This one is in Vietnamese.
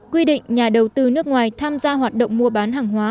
quy định nhà đầu tư nước ngoài tham gia hoạt động mua bán hàng hóa